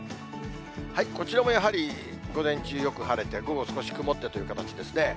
こちらもやはり、午前中よく晴れて、午後、少し雲ってという形ですね。